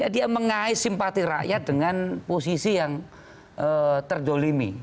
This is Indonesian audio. dia mengais simpati rakyat dengan posisi yang terdolimi